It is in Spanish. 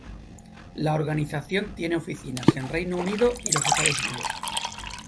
La Organización tiene oficinas en Reino Unido y los Estados Unidos.